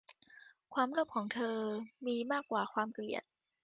ความโลภของเธอมีมากกว่าความเกลียด